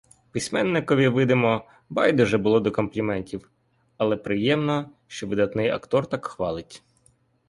Письменникові, видимо, байдуже було до компліментів, але приємно, що видатний актор так хвалить.